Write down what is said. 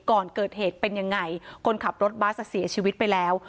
ก่อนเกิดเหตุเป็นยังไงคนขับรถบัสเสียชีวิตไปแล้ว